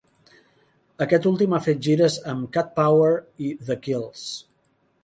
Aquest últim ha fet gires amb Cat Power i The Kills.